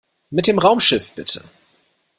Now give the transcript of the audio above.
Mit dem Raumschiff bitte!